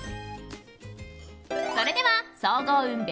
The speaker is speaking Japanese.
それでは総合運